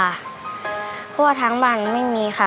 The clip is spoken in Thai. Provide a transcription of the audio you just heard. เพราะว่าทางบ้านไม่มีค่ะ